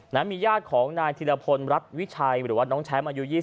มีญาติของนายธิรพลรัฐวิชัยหรือว่าน้องแชมป์อายุ๒๐